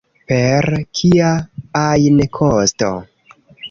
Per kia ajn kosto.